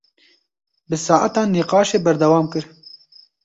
Bi saetan nîqaşê berdewam kir.